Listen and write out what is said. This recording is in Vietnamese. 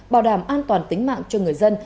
bảo đảm an toàn tính mạng cho người dân